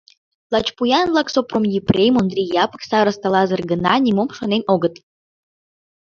Лач поян-влак: Сопром Епрем, Ондри Япык, староста Лазыр гына — нимом шонен огытыл.